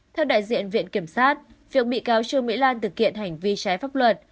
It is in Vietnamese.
theo đại diện viện kiểm sát việc bị cáo trương mỹ lan thực hiện hành vi trái pháp luật